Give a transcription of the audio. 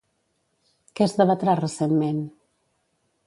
Què es debatrà recentment?